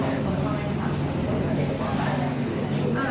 ใครต้องไปเผลอแล้วใครกล้าลูกมัน